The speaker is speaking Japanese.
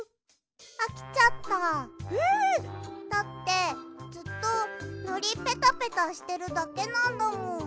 だってずっとのりペタペタしてるだけなんだもん。